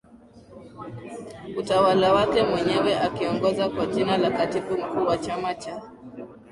utawala wake mwenyewe akiongoza kwa jina la Katibu Mkuu wa chama cha